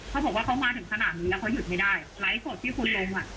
เขาบอกว่าเขามาถึงขนาดนี้แล้วเขาหยุดไม่ได้ไลฟ์สดที่คุณลงอ่ะ